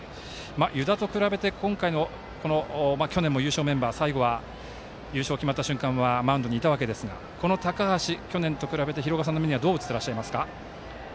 湯田と比べて去年も優勝メンバー最後は優勝が決まった瞬間はマウンドにいたわけですが高橋、去年と比べて廣岡さんの目にはどう映っていますか？